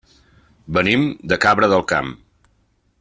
Venim de Cabra del Camp.